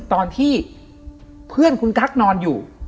ตอนที่เพื่อนคุณกั๊กนอนอยู่